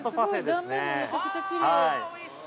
断面がめちゃくちゃきれい。